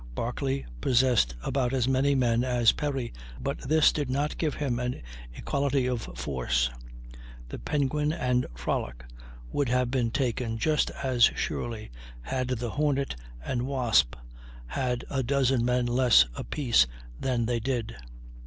Barclay possessed about as many men as Perry, but this did not give him an equality of force. The Penguin and Frolic would have been taken just as surely had the Hornet and Wasp had a dozen men less apiece than they did.